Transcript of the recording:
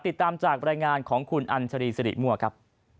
ติดตามจากรายงานของคุณอัญชรีสิริมั่วครับ